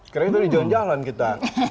karena itu di jalan jalan kita